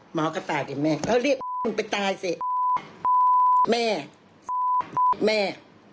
หมอก็ตายดิแม่เขาเรียกไปตายสิแม่แม่